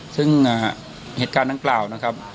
ซึ่งเหตุการณ์ดังกล่าวนะครับ